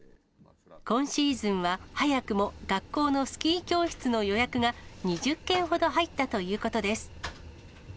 今シーズンは早くも学校のスキー教室の予約が２０件ほど入ったということです。